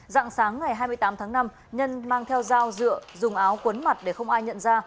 dạng sáng ngày hai mươi tám tháng năm nhân mang theo dao dựa dùng áo quấn mặt để không ai nhận ra